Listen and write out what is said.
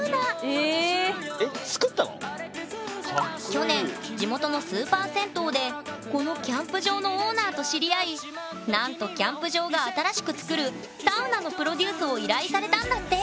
去年地元のスーパー銭湯でこのキャンプ場のオーナーと知り合いなんとキャンプ場が新しくつくるサウナのプロデュースを依頼されたんだって！